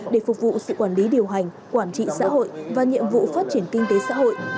để phục vụ sự quản lý điều hành quản trị xã hội và nhiệm vụ phát triển kinh tế xã hội